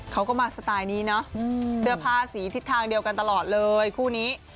เขาก็มาสไตล์นี้เนาะเสื้อผ้าสีทิศทางเดียวกันตลอดเลยคู่นี้